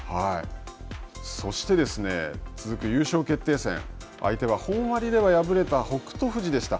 そして、続く優勝決定戦相手は本割で敗れた北勝富士でした。